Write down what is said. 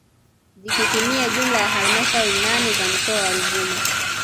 Zikitimia jumla ya halmashauri nane za mkoa wa Ruvuma